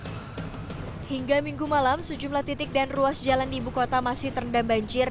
hai hingga minggu malam sejumlah titik dan ruas jalan di ibukota masih terendam banjir